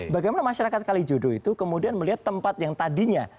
bagaimana masyarakat kalijodo itu kemudian melihat tempat yang tadinya